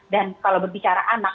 dan kalau berbicara anak